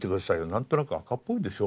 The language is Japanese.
何となく赤っぽいでしょ？